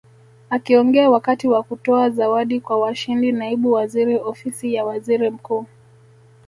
Akiongea wakati wa kutoa zawadi kwa washindi Naibu Waziri Ofisi ya Waziri Mkuu